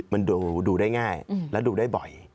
มันดูได้ง่ายและดูได้บ่อย